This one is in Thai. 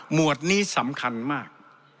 วดนี้สำคัญมาก